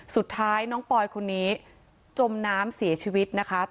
สุดท้ายน้องปอยคนนี้จมน้ำเสียชีวิตนะคะ